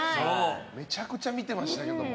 めちゃくちゃ見てましたけども。